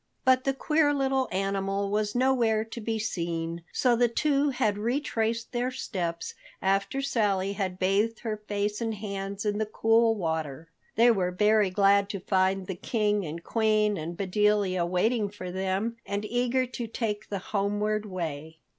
But the queer little animal was nowhere to be seen, so the two had retraced their steps, after Sally had bathed her face and hands in the cool water. They were very glad to find the King and Queen and Bedelia waiting for them and eager to take the homeward way.